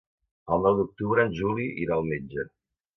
El nou d'octubre en Juli irà al metge.